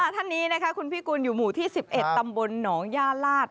ท่านนี้นะคะคุณพิกุลอยู่หมู่ที่๑๑ตำบลหนองย่าลาศ